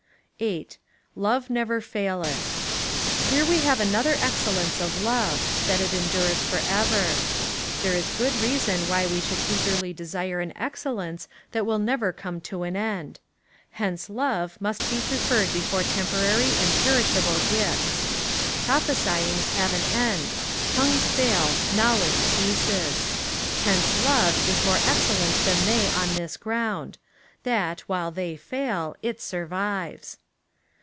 8. Love never faileth. Here we have another excellence of love — that it endures for ever. There is good reason wdiy we should eagerly desire an excellence that will never come to an end. Hence love must be preferred before temporary and perishable gifts. Prophesyings have an end, tongues fail, knowledge ceases. Hence love is more excellent than they on this ground — that, while they fail, it survives.